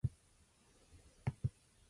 They support several learning paradigms.